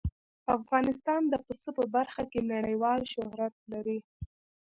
افغانستان د پسه په برخه کې نړیوال شهرت لري.